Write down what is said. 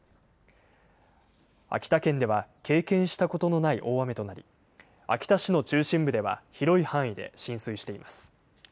秋田県では経験したことのない大雨となり秋田市の中心部では広い範囲で浸水しています。